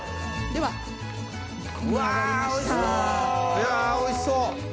いやおいしそう！